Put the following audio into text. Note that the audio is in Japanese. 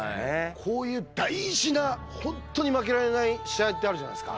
こういう大事な、本当に負けられない試合ってあるじゃないですか。